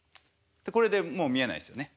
これでもう見えないですよね